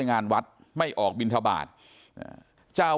ฝ่ายกรเหตุ๗๖ฝ่ายมรณภาพกันแล้ว